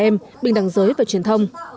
em bình đẳng giới và truyền thông